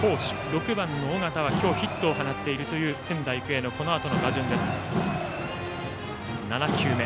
６番の尾形は今日ヒットを放っている仙台育英のこのあとの打順です。